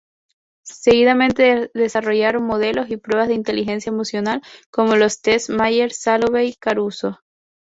Seguidamente desarrollaron modelos y pruebas de inteligencia emocional como los Test Mayer-Salovey- Caruso.